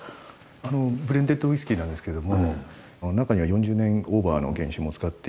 ブレンデッドウイスキーなんですけども中には４０年オーバーの原酒も使っている。